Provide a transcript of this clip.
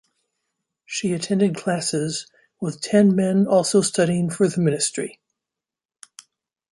She attended classes with ten men also studying for the ministry.